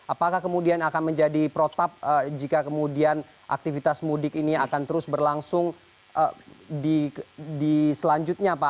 apakah kemudian akan menjadi protap jika kemudian aktivitas mudik ini akan terus berlangsung di selanjutnya pak